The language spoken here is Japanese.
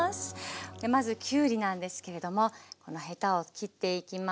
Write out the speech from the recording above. まずきゅうりなんですけれどもこのヘタを切っていきます。